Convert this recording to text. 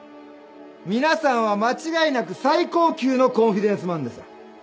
皆さんは間違いなく最高級のコンフィデンスマンです。